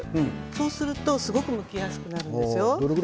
そうするとすごくむきやすくなるんですよ。